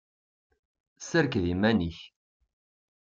Serked iman-ik.